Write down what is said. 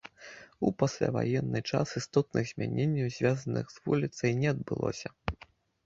У пасляваенны час істотных змяненняў, звязаных з вуліцай, не адбылося.